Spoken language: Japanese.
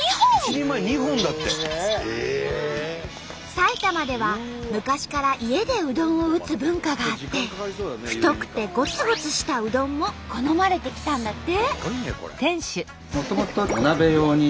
埼玉では昔から家でうどんを打つ文化があって太くてごつごつしたうどんも好まれてきたんだって。